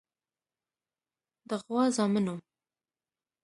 د غوا زامنو.